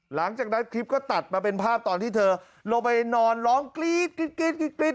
หลังจากนั้นคลิปก็ตัดมาเป็นภาพตอนที่เธอลงไปนอนร้องกรี๊ดกรี๊ดกรี๊ดกรี๊ด